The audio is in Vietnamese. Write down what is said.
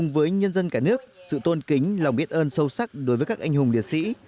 với nhân dân cả nước sự tôn kính lòng biết ơn sâu sắc đối với các anh hùng liệt sĩ